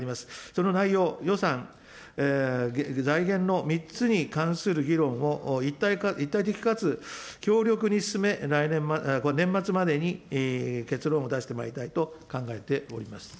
その内容、予算、財源の３つに関する議論を一体的かつ強力に進め、年末までに結論を出してまいりたいと考えております。